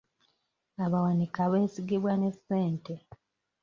Abawanika beesigibwa ne ssente.